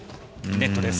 ネットです。